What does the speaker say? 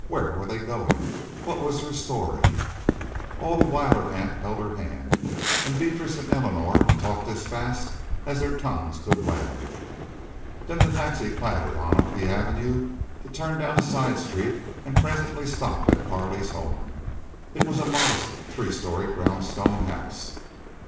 Where were they going? What was their story? And all the while her aunt held her hand, and Beatrice and Eleanor talked as fast as their tongues could wag. Then the taxi clattered on up the Avenue, to turn down a side street and presently stop at Carley's home. It was a modest three story brown stone house.